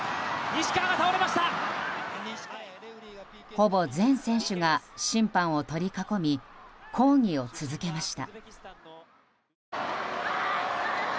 ほぼ全選手が審判を取り囲み抗議を続けました。